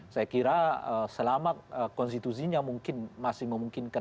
saya kira selama konstitusinya mungkin masih memungkinkan